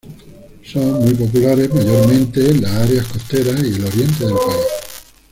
Son muy populares mayormente en las áreas costeras y el oriente del país.